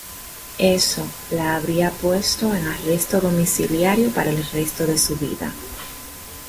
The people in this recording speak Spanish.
Eso la habría puesto en arresto domiciliario para el resto de su vida".